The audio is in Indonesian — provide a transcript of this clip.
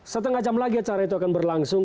setengah jam lagi acara itu akan berlangsung